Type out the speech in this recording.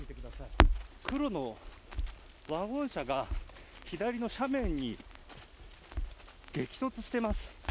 黒のワゴン車が左の斜面に激突しています。